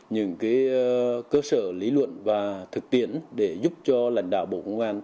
những cơ sở lý luận và thực tiễn để giúp cho lãnh đạo bộ công an